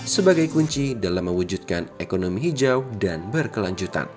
sebagai kunci dalam mewujudkan ekonomi hijau dan berkelanjutan